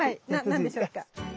何でしょうか？